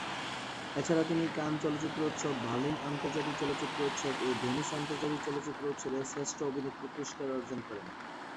এছাড়া তিনি কান চলচ্চিত্র উৎসব, বার্লিন আন্তর্জাতিক চলচ্চিত্র উৎসব, ও ভেনিস আন্তর্জাতিক চলচ্চিত্র উৎসব-এ শ্রেষ্ঠ অভিনেত্রীর পুরস্কার অর্জন করেন।